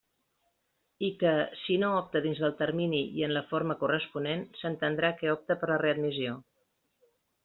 I que, si no opta dins del termini i en la forma corresponent, s'entendrà que opta per la readmissió.